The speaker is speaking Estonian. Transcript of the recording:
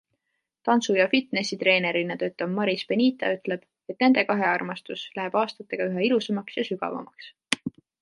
Tantsu- ja fitnessitreenerina töötav Maris Benita ütleb, et nende kahe armastus läheb aastatega üha ilusamaks ja sügavamaks.